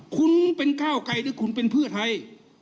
คุณเป็นเนื้อก้าวกลายหรือคุณเป็นเพื่อไทย